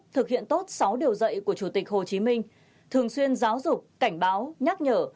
thực hiện tốt sáu điều dạy của chủ tịch hồ chí minh thường xuyên giáo dục cảnh báo nhắc nhở